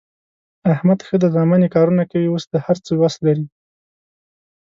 احمد ښه دی زامن یې کارونه کوي، اوس د هر څه وس لري.